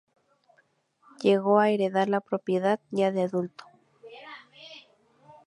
Llegó a heredar la propiedad ya de adulto.